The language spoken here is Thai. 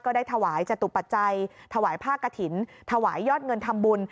ได้ถวายจตุปัจจัยถวายผ้ากระถิ่นถวายยอดเงินทำบุญ